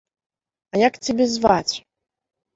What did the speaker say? А як цябе зваць?